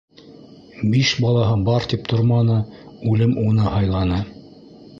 Биш балаһы бар тип торманы - үлем уны һайланы.